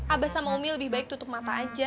abah sama omel lebih baik tutup mata aja